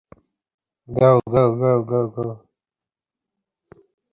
বিলুপ্তপ্রায় জীব প্রজাতিকে অন্যস্থানে সরিয়ে নিয়ে সরক্ষণ করাকে কি বলে?